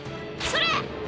それ！